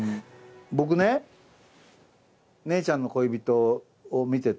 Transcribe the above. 僕ね『姉ちゃんの恋人』を見てて。